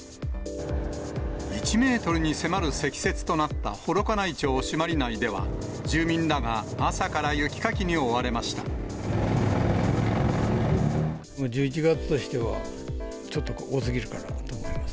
１メートルに迫る積雪となった幌加内町朱鞠内では、住民らが朝か１１月としては、ちょっと多すぎるかなと思います。